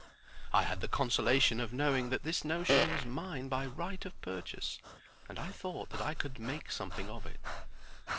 I had the consolation of knowing that this notion was mine by right of purchase, and I thought that I could make something of it.